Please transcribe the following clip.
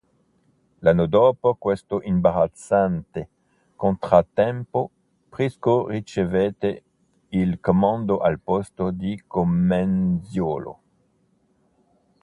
L'anno dopo questo imbarazzante contrattempo, Prisco ricevette il comando al posto di Comenziolo.